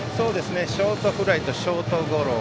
ショートフライとショートゴロ。